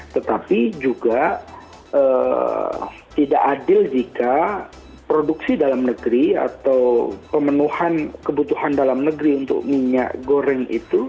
tetapi juga tidak adil jika produksi dalam negeri atau pemenuhan kebutuhan dalam negeri untuk minyak goreng itu